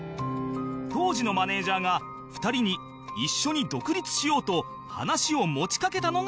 当時のマネジャーが２人に一緒に独立しようと話を持ちかけたのがきっかけ